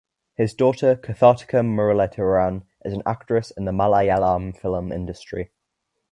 His daughter Karthika Muralidharan is an actress in the Malayalam film industry.